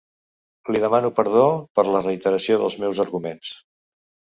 Li demano perdó per la reiteració dels meus arguments.